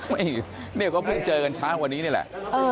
ไม่เนี่ยก็เพิ่งเจอกันเช้าวันนี้นี่แหละ